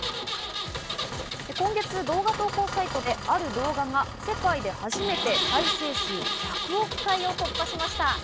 今月、動画投稿サイトである動画が世界で初めて再生数１００億回を突破しました。